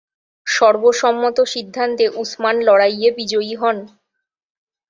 সর্বসম্মত সিদ্ধান্তে উসমান লড়াইয়ে বিজয়ী হন।